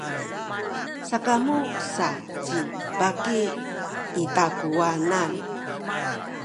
sakamu sa ci baki i takuwanan.